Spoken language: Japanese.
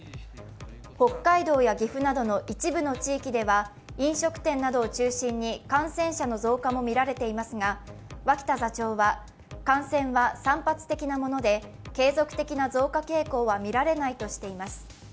北海道や岐阜などの一部の地域では飲食店などを中心に感染者の増加も見られていますが脇田座長は感染は散発的なもので継続的な増加傾向は見られないとしています。